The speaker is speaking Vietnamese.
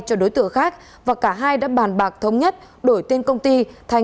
cho đối tượng khác và cả hai đã bàn bạc thống nhất đổi tên công ty thành